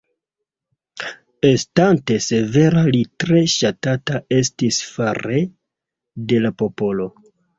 Estante severa li tre ŝatata estis fare de la popolo.